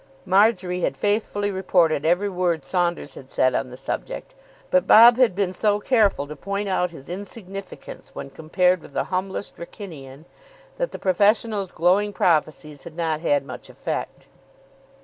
Marjory had faithfully reported every word Saunders had said on the subject, but Bob had been so careful to point out his insignificance when compared with the humblest Wrykynian that the professional's glowing prophecies had not had much effect.